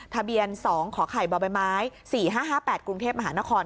ทะเบียน๒ขอไข่บใบไม้๔๕๕๘กรุงเทพมหานคร